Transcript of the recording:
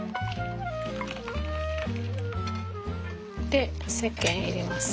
でせっけん入れます。